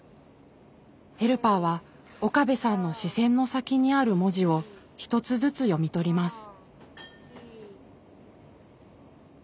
ヘルパーは岡部さんの視線の先にある文字を一つずつ読み取ります。